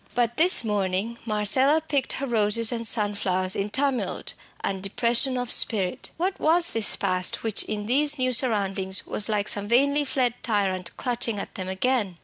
But this morning Marcella picked her roses and sunflowers in tumult and depression of spirit. What was this past which in these new surroundings was like some vainly fled tyrant clutching at them again?